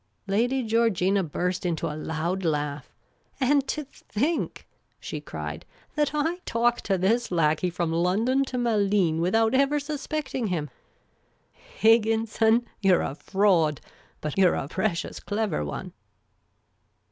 " lyady Georgina burst into a loud laugh. '' And to think, '' she cried, " that I talked to this lackey from London to Malines without ever suspecting him ! Higginson, you 're a fraud — but you 're a precious clever one."